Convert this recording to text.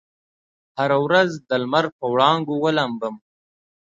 هره ورځ دلمر په وړانګو ولامبم